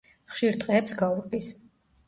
ხშირ ტყეებს გაურბის.